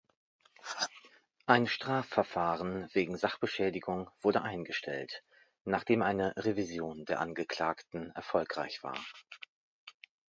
Ein Strafverfahren wegen Sachbeschädigung wurde eingestellt, nachdem eine Revision der Angeklagten erfolgreich war.